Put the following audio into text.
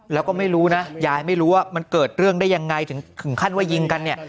แล้วก็ไม่รู้นะยายไม่รู้ว่ามันเกิดเรื่องได้ยังไงถึงขั้นว่ายิงกันเนี่ย